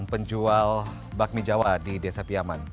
penjual bakmi jawa di desa piyaman